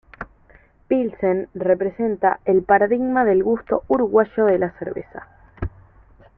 Pilsen representa el paradigma del gusto uruguayo de la cerveza.